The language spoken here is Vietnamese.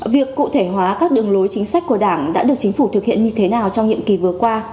việc cụ thể hóa các đường lối chính sách của đảng đã được chính phủ thực hiện như thế nào trong nhiệm kỳ vừa qua